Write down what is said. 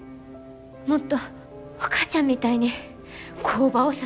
もっとお母ちゃんみたいに工場を支えたい。